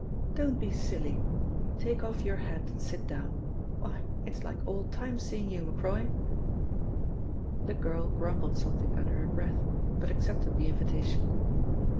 "Don't be silly. Take off your hat and sit down. Why, it's like old times seeing you, Macroy." The girl grumbled something under her breath, but accepted the invitation.